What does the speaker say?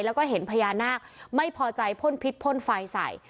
แล้วก็เห็นพญานาคไม่พอใจพ่นพิษพ่นไฟใส่